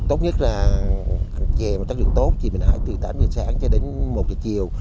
tốt nhất là hành chè có chất lượng tốt thì mình hái từ tám h sáng cho đến một h chiều